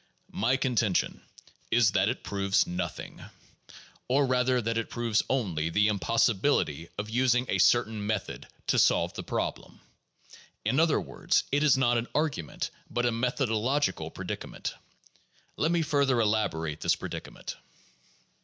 My contention is that it proves nothing; or rather that it proves only the impossibility of using a certain method to solve the problem. In other words, it is not an argument, but a methodological predicament. Let me further elaborate this predicament.